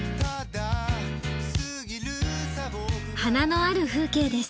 花のある風景です。